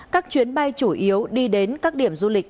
các chuyến bay chủ yếu đi đến các điểm du lịch